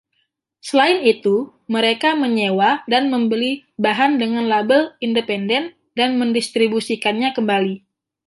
Selain itu, mereka menyewa dan membeli bahan dengan label independen dan mendistribusikannya kembali.